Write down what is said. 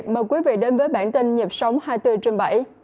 mời quý vị đến với bản tin nhịp sống hai mươi bốn trên bảy